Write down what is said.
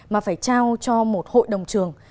mà phải trao cho một hội đồng trường